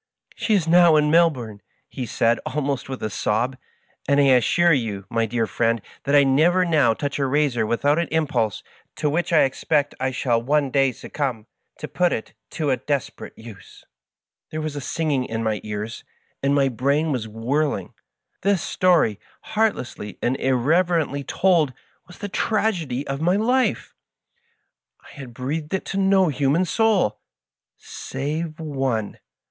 ' She is now in Melbourne,^ he said, almost with a sob, ^ and I assure you, my dear friend, that I never now touch a razor without an impulse, to which I expect I shall one day succumb, to put it to a desperate use.' " There was a singing in my ears, and my brain was Digitized by Google MY FASOmATING FBIEND. 168 whirling. This story, heartlessly and irreverently told, was the tragedy of my life! I had breathed it to no human soul — save one!